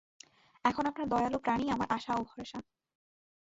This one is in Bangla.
এখন আপনার দয়ালু প্রাণই আমার আশা ও ভরসা।